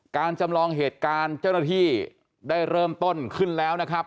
จำลองเหตุการณ์เจ้าหน้าที่ได้เริ่มต้นขึ้นแล้วนะครับ